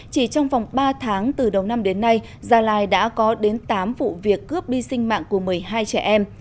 chỉ trong vòng ba tháng từ đầu năm đến nay gia lai đã có đến tám vụ việc cướp đi sinh mạng của một mươi hai trẻ em